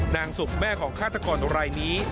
นางศุกร์แม่ของฆาตกรตัวไร้นี้